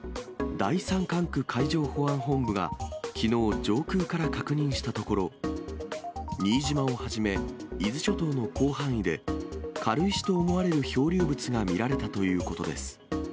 第三管区海上保安本部が、きのう、上空から確認したところ、新島をはじめ、伊豆諸島の広範囲で、軽石と思われる漂流物が見られたということです。